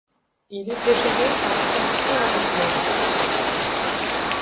Il était géré par la Commission européenne.